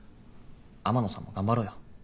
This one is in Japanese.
天野さんも頑張ろうよ。